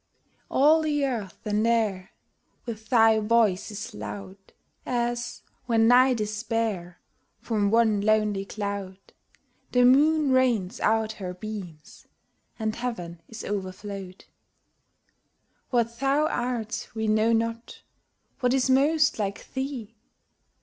All the earth and air With thy voice is loud, As, when night is bare, From one lonely cloud The moon rains out her beams, and heaven is overflow'd. What thou art we know not; What is most like thee?